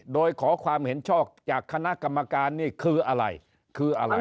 โดยขอความเห็นชอบจากคณะกรรมการนี่คืออะไรคืออะไร